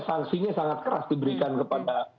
sanksinya sangat keras diberikan kepada